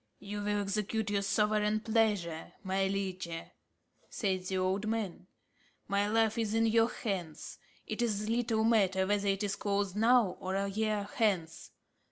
"You will execute your sovereign pleasure, my liege," said the old man. "My life is in your hands. It is little matter whether it is closed now or a year hence.